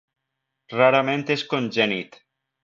Rarament és congènit.